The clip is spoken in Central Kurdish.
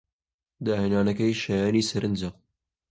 داهێنانەکەی شایانی سەرنجە.